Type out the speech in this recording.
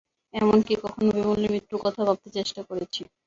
এমন-কি, কখনো বিমলের মৃত্যুর কথাও ভাবতে চেষ্টা করেছি।